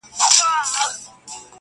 زه چـي په باندي دعوه وكړم~